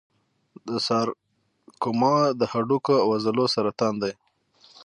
د سارکوما د هډوکو او عضلو سرطان دی.